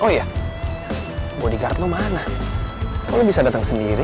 oh iya bodyguard lo mana kok lo bisa dateng sendiri